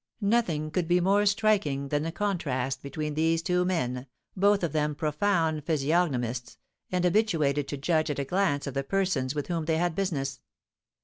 Nothing could be more striking than the contrast between these two men, both of them profound physiognomists, and habituated to judge at a glance of the persons with whom they had business.